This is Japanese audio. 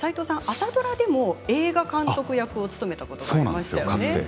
朝ドラでも映画監督役を務めたことがありましたね。